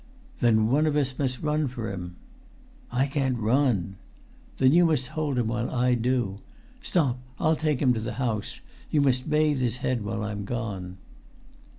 "Then one of us must run for him." "I can't run!" "Then you must hold him while I do. Stop! I'll take him to the house; you must bathe his head while I'm gone."